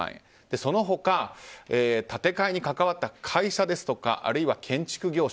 その他、建て替えに関わった会社ですとかあるいは建築業者